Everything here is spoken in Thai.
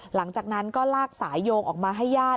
หลังจากนั้นก็ลากสายโยงออกมาให้ญาติ